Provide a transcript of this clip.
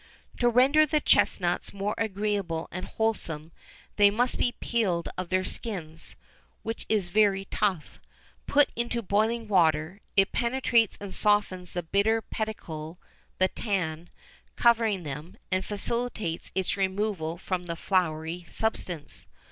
[XIV 41] To render the chesnuts more agreeable and wholesome they must be pealed of their skins, which is very tough; put into boiling water, it penetrates and softens the bitter pellicle (the tan) covering them, and facilitates its removal from the floury substance.